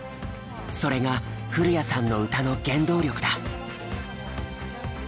それが古谷さんの歌の原動力だ。